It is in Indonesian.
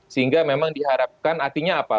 sehingga memang diharapkan artinya apa